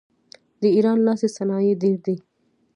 د ایران لاسي صنایع ډیر دي.